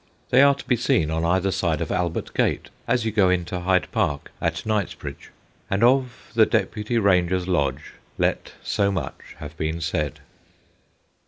They are to be seen on either side of Albert Gate, as you go into Hyde Park at Knightsbridge. And of the Deputy Ranger's Lodge let so much have been said.